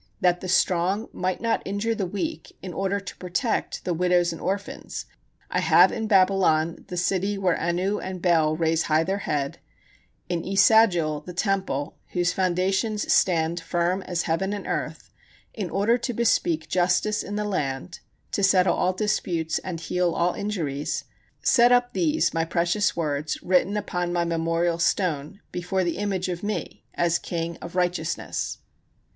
That the strong might not injure the weak, in order to protect the widows and orphans, I have in Babylon the city where Anu and Bel raise high their head, in E Sagil, the Temple, whose foundations stand firm as heaven and earth, in order to bespeak justice in the land, to settle all disputes, and heal all injuries, set up these my precious words, written upon my memorial stone, before the image of me, as king of righteousness.